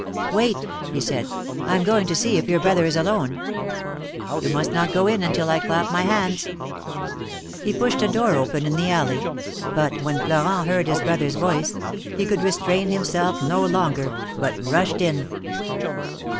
"Wait!'' he said; "I am going to see if your brother is alone. You must not go in until I clap my hands." He pushed open a door in the alley, but when Florent heard his brother's voice, he could restrain himself no longer, but rushed in.